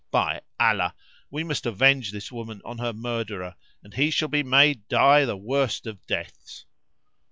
By Allah, we must avenge this woman on her murderer and he shall be made die the worst of deaths!"